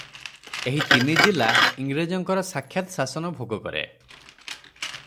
ଏହି ତିନିଜିଲା ଇଂରେଜଙ୍କର ସାକ୍ଷାତ୍ଶାସନ ଭୋଗ କରେ ।